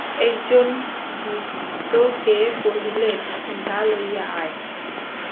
একজন ভৃত্যকে কহিলেন, ইহাকে লইয়া আয়।